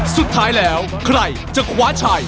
สุดท้ายแล้วใครจะคว้าชัย